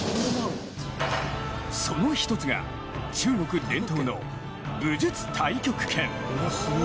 その１つが中国伝統の武術太極拳。